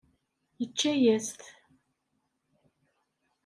Yečča-as-t.